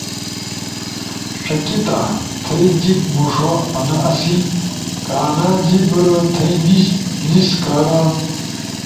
ݜکیتا تھئی جیِب مُوݜو آنا آسی۔۔ کہ آنا جیِب گتھئی نیِش لیس کارا